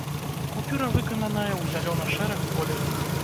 Купюра выкананая ў зялёна-шэрых колерах.